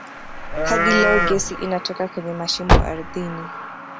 Hadi leo gesi inatoka kwenye mashimo ardhini